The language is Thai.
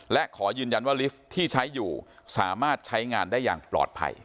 และขอยืนยันว่าลิฟท์ที่ใช้อยู่สามารถใช้งานได้อย่างปลอดภัย